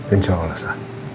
insya allah sa